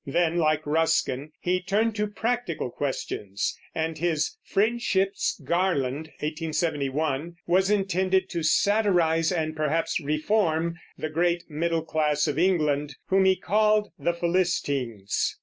Then, like Ruskin, he turned to practical questions, and his Friendship's Garland (1871) was intended to satirize and perhaps reform the great middle class of England, whom he called the Philistines.